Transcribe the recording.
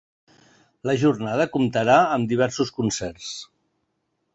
La jornada comptarà amb diversos concerts.